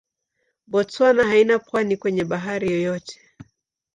Botswana haina pwani kwenye bahari yoyote.